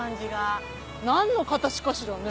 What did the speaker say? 何の形かしらね？